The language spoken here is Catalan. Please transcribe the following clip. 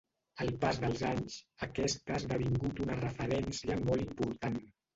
Al pas dels anys, aquesta ha esdevingut una referència molt important.